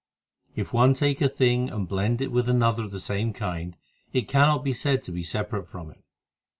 If one take a thing and blend it with another of the same kind, It cannot be said to be separate from it.